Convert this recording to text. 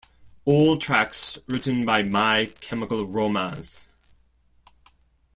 All tracks written by My Chemical Romance.